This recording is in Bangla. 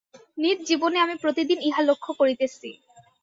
নিজ জীবনে আমি প্রতিদিন ইহা লক্ষ্য করিতেছি।